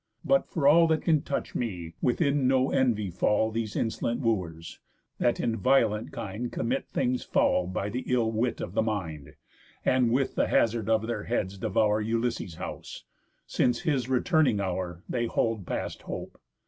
But, for all That can touch me, within no envy fall These insolent Wooers, that in violent kind Commit things foul by th' ill wit of the mind, And with the hazard of their heads devour Ulysses' house, since his returning hour They hold past hope.